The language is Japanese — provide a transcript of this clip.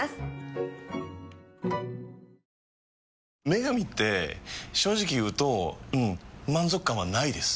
「麺神」って正直言うとうん満足感はないです。